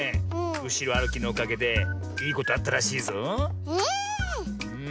うしろあるきのおかげでいいことあったらしいぞ。